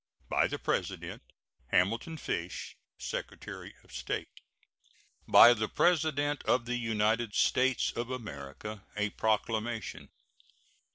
By the President: HAMILTON FISH, Secretary of State. BY THE PRESIDENT OF THE UNITED STATES OF AMERICA. A PROCLAMATION.